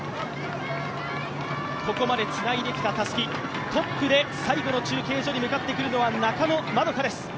ここまでつないできたたすき、トップで最後の中継所に向かってくるのは中野円花です。